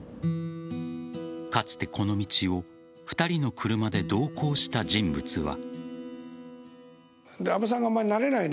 かつて、この道を２人の車で同行した人物は。